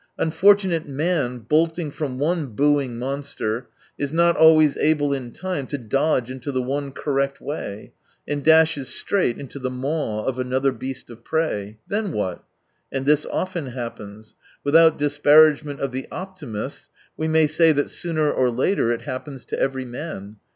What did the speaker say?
Unfortunate man, bolting from one booing monster, is not always able in time to dodge into the one correct way, and dashes straight into the maw of another beast of prey. Then what ? And this often happens. With out disparagement of the optimists, we may say that sooner or later it happens to every man.